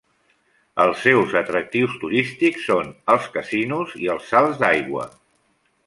Els seus atractius turístics són els casinos i els salts d'aigua.